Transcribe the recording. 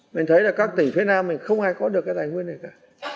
mình thấy các tỉnh phía nam không ai có được tài nguyên này cả